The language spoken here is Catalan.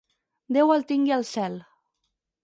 Déu el tingui al cel.